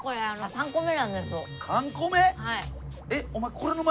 ３個目！？